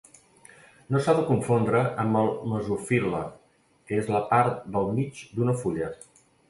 No s'ha de confondre amb el mesofil·le que és la part del mig d'una fulla.